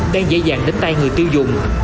đang dễ dàng đến tay người tiêu dùng